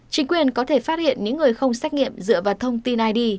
chính quyền có thể phát hiện những người không xét nghiệm dựa vào thông tin id